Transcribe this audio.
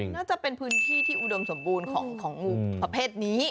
น่าจะเป็นพื้นที่ที่อุดมสมบูรณ์ของงูประเภทนี้